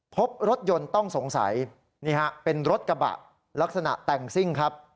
พบรถยนต์ต้องสงสัยนี่ฮะเป็นรถกระบะลักษณะแต่งซิ่งครับ